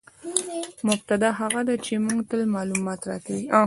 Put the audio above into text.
مبتداء هغه ده، چي موږ ته معلومات راکوي.